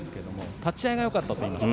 立ち合いがよかったと話しています。